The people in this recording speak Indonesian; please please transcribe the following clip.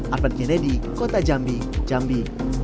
arvan kenedi kota jambi jambi